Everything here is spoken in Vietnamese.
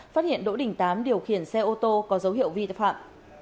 phát hiện đỗ đình tám điều khiển xe ô tô có dấu hiệu vi phạm